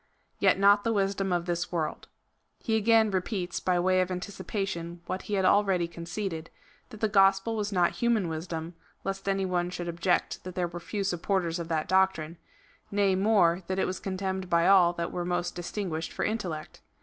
Yet not the wisdom of this world. He again repeats by way of anticipation what he had already conceded — that the gospel was not human wisdom, lest any one should object that there were few supporters of that doctrine ; nay more, that it was contemned by all that were most distinguished for intellect.